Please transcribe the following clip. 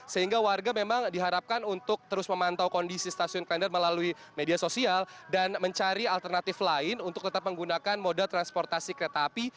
sehingga warga memang diharapkan untuk terus memantau kondisi stasiun klender melalui media sosial dan mencari alternatif lain untuk tetap menggunakan moda transportasi kereta api